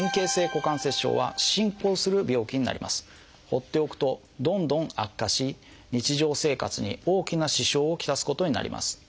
放っておくとどんどん悪化し日常生活に大きな支障を来すことになります。